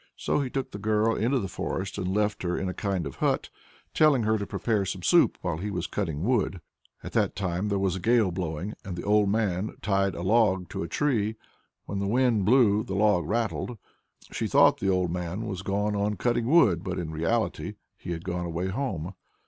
So he took the girl into the forest, and left her in a kind of hut, telling her to prepare some soup while he was cutting wood. "At that time there was a gale blowing. The old man tied a log to a tree; when the wind blew, the log rattled. She thought the old man was going on cutting wood, but in reality he had gone away home."